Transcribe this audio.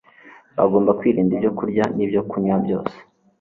bagomba kwirinda ibyokurya n'ibyokunywa byose